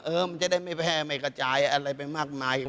มันจะได้ไม่แพร่ไม่กระจายอะไรไปมากมาย